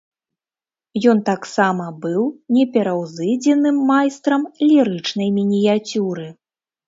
Ён таксама быў непераўзыдзеным майстрам лірычнай мініяцюры.